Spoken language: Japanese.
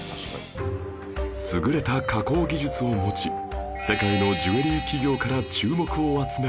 優れた加工技術を持ち世界のジュエリー企業から注目を集めるタイ